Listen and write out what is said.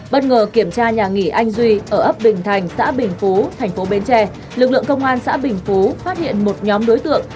bất ngờ kiểm tra nhà nghỉ anh duy ở ấp bình thành xã bình phú thành phố bến tre lực lượng công an xã bình phú phát hiện một nhóm đối tượng